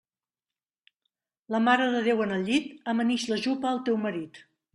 La Mare de Déu en el llit, amanix la jupa al teu marit.